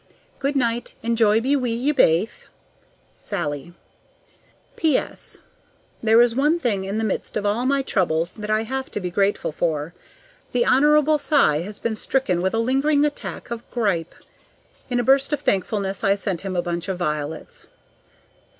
Good night, and joy be wi' ye baith! SALLIE. P.S. There is one thing in the midst of all my troubles that I have to be grateful for: the Hon. Cy has been stricken with a lingering attack of grippe. In a burst of thankfulness I sent him a bunch of violets.